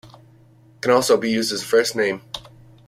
It can also be used as a first name.